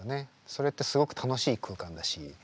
それってすごく楽しい空間だし。